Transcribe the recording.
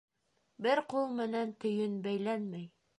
Бер ҡул менән төйөн бәйләнмәй.